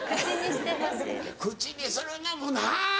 口にするのもなぁ。